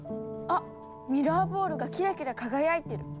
あっミラーボールがキラキラ輝いてる。